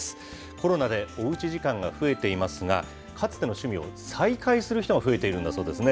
コロナでおうち時間が増えていますが、かつての趣味を再開する人が増えているんだそうですね。